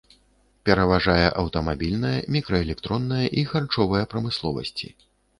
Пераважае аўтамабільная, мікраэлектронная і харчовая прамысловасці.